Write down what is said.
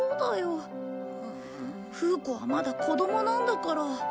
フー子はまだ子供なんだから。